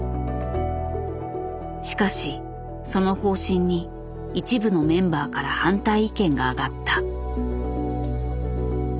しかしその方針に一部のメンバーから反対意見があがった。